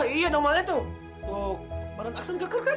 wah iya normalnya tuh tuh makan aksan kekur kan